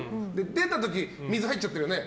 出た時、水入っちゃってるよね。